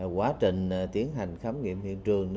quá trình tiến hành khám nghiệm hiện trường